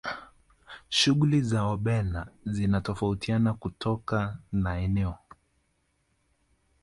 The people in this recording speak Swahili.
shughuli za wabena zinatofautiana kutoka na eneo